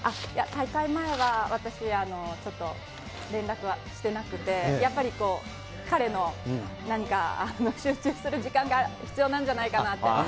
いや、大会前は私、ちょっと連絡はしてなくて、やっぱりこう、彼の、何か集中する時間が必要なんじゃないかなって。